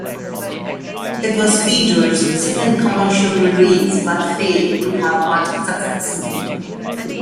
It was Feeder's second commercial release, but failed to have much success.